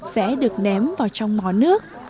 sẽ được ném vào trong mó nước